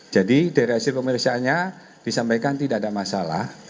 jadi dari hasil pemeriksaannya disampaikan tidak ada masalah